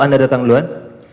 atau anda datang duluan